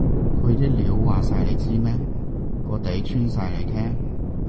佢啲料話晒你知咩？個底穿晒你聽？